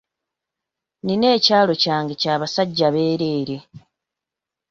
Nina ekyalo kyange kya basajja bereere.